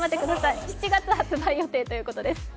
７月発売予定ということです。